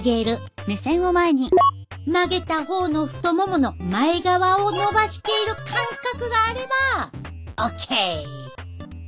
曲げた方の太ももの前側をのばしている感覚があればオッケー！